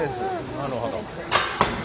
なるほど。